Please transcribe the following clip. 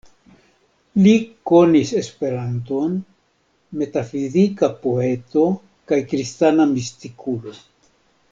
Li konis Esperanton, metafizika poeto kaj kristana mistikulo.